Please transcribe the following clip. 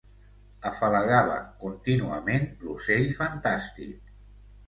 Afalagava contínuament l'ocell fantàstic